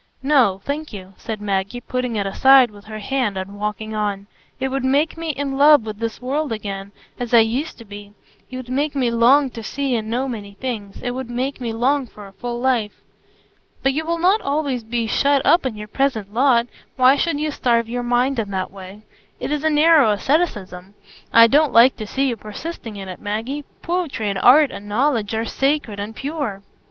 "No, thank you," said Maggie, putting it aside with her hand and walking on. "It would make me in love with this world again, as I used to be; it would make me long to see and know many things; it would make me long for a full life." "But you will not always be shut up in your present lot; why should you starve your mind in that way? It is narrow asceticism; I don't like to see you persisting in it, Maggie. Poetry and art and knowledge are sacred and pure."